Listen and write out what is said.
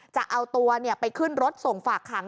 จะเอาตัวไปขึ้นรถส่งฝากขัง